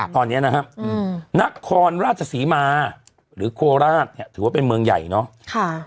ตอนนี้นะครับนครราชศรีมาหรือโคราชเนี่ยถือว่าเป็นเมืองใหญ่เนาะ